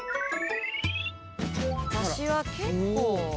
私は結構。